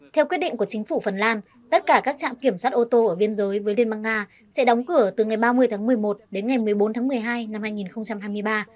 theo quyết định của chính phủ phần lan tất cả các trạm kiểm soát ô tô ở biên giới với liên bang nga sẽ đóng cửa từ ngày ba mươi tháng một mươi một đến ngày một mươi bốn tháng một mươi hai năm hai nghìn hai mươi ba